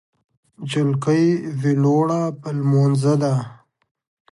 جلکۍ ویلوړه په لمونځه ده